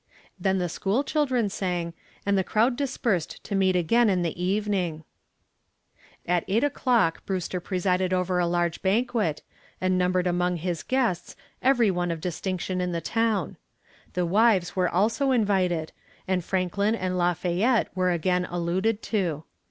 Then the school children sang and the crowd dispersed to meet again in the evening. At eight o'clock Brewster presided over a large banquet, and numbered among his guests every one of distinction in the town. The wives were also invited and Franklin and Lafayette were again alluded to.